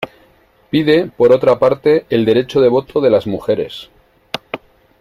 Pide, por otra parte, el derecho de voto de las mujeres.